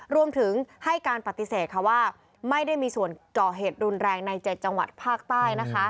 รวมถึงให้การปฏิเสธว่าไม่ได้มีส่วนก่อเหตุรุนแรงใน๗จังหวัดภาคใต้